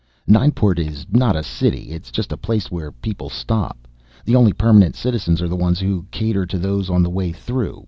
Nineport is not a city, it's just a place where people stop. The only permanent citizens are the ones who cater to those on the way through.